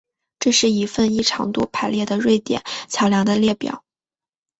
这是一份依长度排列的瑞典桥梁的列表